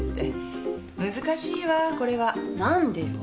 難しいわこれは。何でよ？